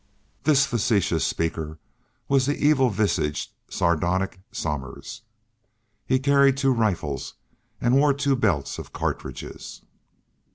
This facetious speaker was the evil visaged, sardonic Somers. He carried two rifles and wore two belts of cartridges.